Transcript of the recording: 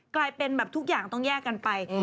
กลายเป็นแบบทุกอย่างต้องแยกกันไป